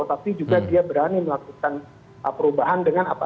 tapi juga dia berani melakukan perubahan dengan apa